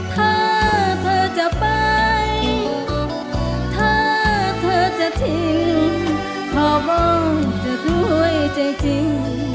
ถ้าเธอจะไปถ้าเธอจะทิ้งขอบ้องจะด้วยใจจริง